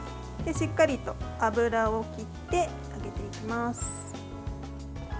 しっかりと油を切って上げていきます。